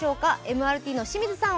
ＭＲＴの清水さん